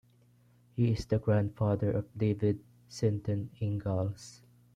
He is the grandfather of David Sinton Ingalls.